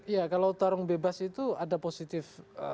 iya kalau tarung bebas itu ada positif